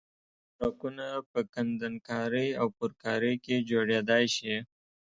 سرکونه په کندنکارۍ او پرکارۍ کې جوړېدای شي